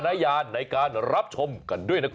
เพื่อนเอาของมาฝากเหรอคะเพื่อนมาดูลูกหมาไงหาถึงบ้านเลยแหละครับ